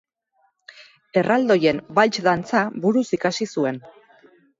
Erraldoien balts dantza buruz ikasi zuen.